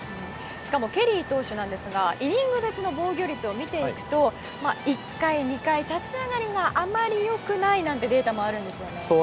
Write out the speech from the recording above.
しかもケリー投手ですがイニング別の防御率を見ると立ち上がりがあまり良くないというデータがあるんですよね。